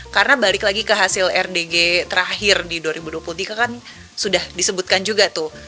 karena balik lagi ke hasil rdg terakhir di dua ribu dua puluh tiga kan sudah disebutkan juga tuh